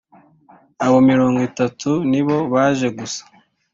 abo mirongo itatu nibo baje gusa